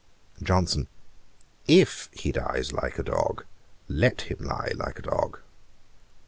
JOHNSON. 'If he dies like a dog, let him lie like a dog.'